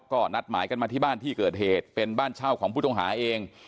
ก็นัดหมายกันมาที่บ้านที่เกิดเหตุเป็นบ้านเช่าของผู้ต้องหาเอง